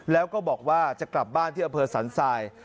แล้วก็บอกว่าจะกลับบ้านที่อำเภอสันทราย